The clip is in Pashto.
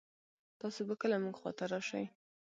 تاسو به کله مونږ خوا ته راشئ